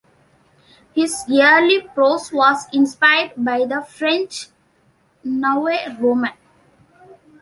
His early prose was inspired by the French nouveau roman.